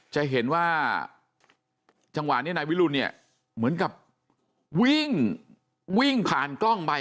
จะเห็นว่าจังหวะนี้นายวิรุณเนี่ยเหมือนกับวิ่งวิ่งผ่านกล้องไป